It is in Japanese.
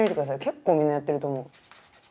結構みんなやってると思う。